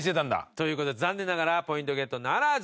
という事で残念ながらポイントゲットならず。